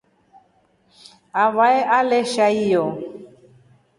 Avae alesha hiyo.